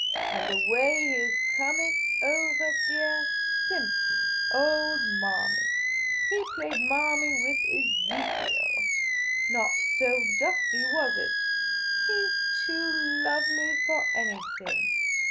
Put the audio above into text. And the way he has come it ovah deah, simple, old Marmy ! He played Marmy with Ezekiel ! Not so dusty, was it ? He 's too lovely for any thing